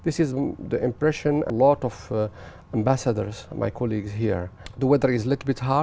tại vì thế tôi muốn chúc các quý cô có hơn một mươi ba triệu người du lịch tổ chức